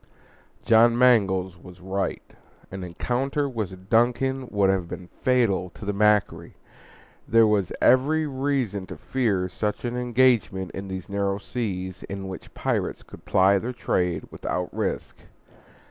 John Mangles was right. An encounter with the DUNCAN would have been fatal to the MACQUARIE. There was every reason to fear such an engagement in these narrow seas, in which pirates could ply their trade without risk.